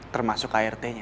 termasuk art nya